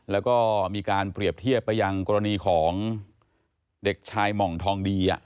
แล้วก็มีการเปรียบเทียบไปยังกรณีของเด็กชายหม่องทองดี